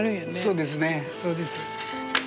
そうですねそうです。